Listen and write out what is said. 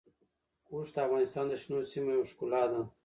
اوښ د افغانستان د شنو سیمو یوه ښکلا ده.